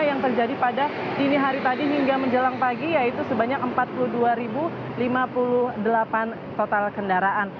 yang terjadi pada dini hari tadi hingga menjelang pagi yaitu sebanyak empat puluh dua lima puluh delapan total kendaraan